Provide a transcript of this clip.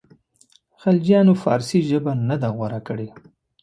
خلجیانو فارسي ژبه نه ده غوره کړې.